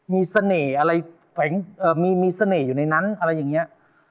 มีเสน่ห์อะไรแฝงมีเสน่ห์อยู่ในนั้นอะไรอย่างนี้